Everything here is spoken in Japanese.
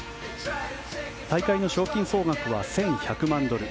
大会の賞金総額は１１００万ドル